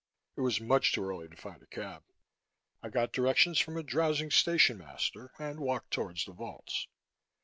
It was much too early to find a cab. I got directions from a drowsing stationmaster and walked toward the vaults.